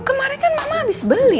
kemarin kan mama habis beli